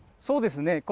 そうですね